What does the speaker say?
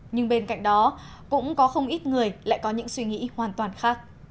nhưng bên cạnh đó cũng có không ít người lại có những suy nghĩ hoàn toàn khác